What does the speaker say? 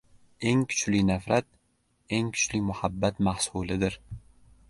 Eng kuchli nafrat — eng kuchli muhabbat mahsulidir.